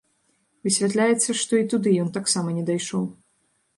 Высвятляецца, што і туды ён таксама не дайшоў.